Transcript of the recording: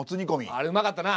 あれうまかったな。